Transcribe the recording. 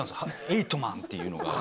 「エイト・マン」っていうのが。